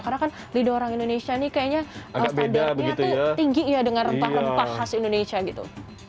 karena kan lidah orang indonesia ini kayaknya standarnya tuh tinggi ya dengan rempah rempah khas indonesia gitu